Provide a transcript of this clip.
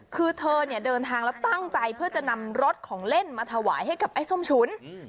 คือเธอเนี่ยเดินทางแล้วตั้งใจเพื่อจะนำรถของเล่นมาถวายให้กับไอ้ส้มฉุน